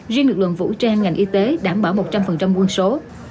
riêng lực lượng vũ trang ngành y tế đảm bảo một trăm linh quân số